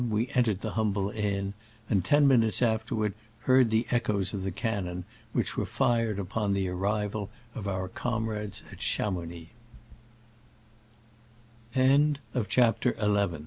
we entered the humble inn, and ten minutes afterward heard the echoes of the cannon which were fired upon the arrival of our comrades at Cha Digitized by Google :pj^i?/T